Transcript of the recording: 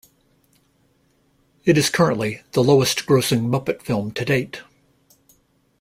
It is currently the lowest-grossing Muppet film to date.